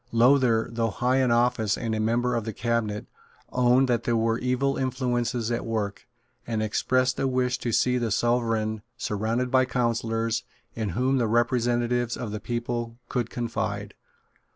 Lowther, though high in office and a member of the cabinet, owned that there were evil influences at work, and expressed a wish to see the Sovereign surrounded by counsellors in whom the representatives of the people could confide.